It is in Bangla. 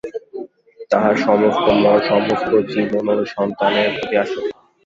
তাঁহার সমস্ত মন, সমস্ত জীবন ঐ সন্তানের প্রতি আসক্ত।